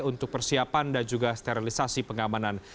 untuk persiapan dan juga sterilisasi pengamanan